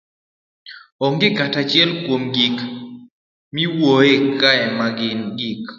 Onge kata achiel kuom gik miwuoyoe kae ma gin gik